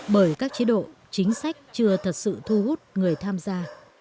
bởi các chế độ chính sách chưa thật sự thu hút người tham gia